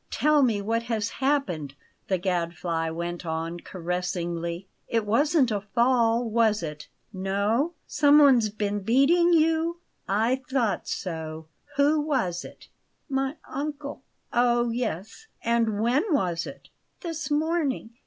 "Tell me what has happened?" the Gadfly went on caressingly. "It wasn't a fall, was it? No? Someone's been beating you? I thought so! Who was it?" "My uncle." "Ah, yes! And when was it?" "This morning.